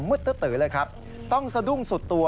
ตื้อเลยครับต้องสะดุ้งสุดตัว